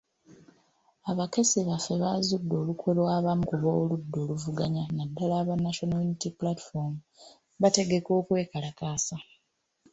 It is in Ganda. Abakessi baffe bazudde olukwe lw'abamu ku b'oludda oluvuganya naddala aba National Unity Platform, bategeka okwekalakaasa.